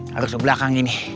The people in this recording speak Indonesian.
harus belakang ini